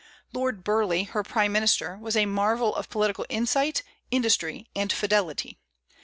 Lord Burleigh, her prime minister, was a marvel of political insight, industry, and fidelity.